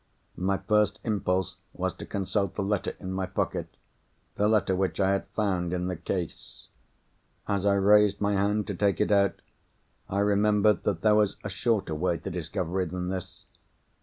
My first impulse was to consult the letter in my pocket—the letter which I had found in the case. As I raised my hand to take it out, I remembered that there was a shorter way to discovery than this.